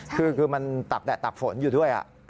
คือมันตักแดดตักฝนอยู่ด้วย